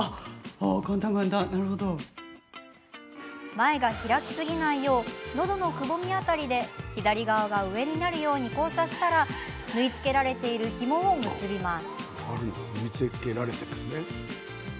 前が開きすぎないようのどのくぼみ辺りで左側が上になるように交差したら縫い付けられているひもを結びます。